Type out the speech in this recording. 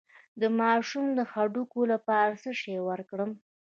د ماشوم د هډوکو لپاره څه شی ورکړم؟